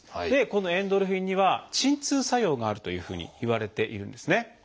でこのエンドルフィンには鎮痛作用があるというふうにいわれているんですね。